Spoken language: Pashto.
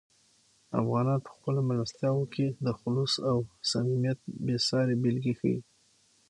افغانان په خپلو مېلمستیاوو کې د "خلوص" او "صمیمیت" بې سارې بېلګې ښیي.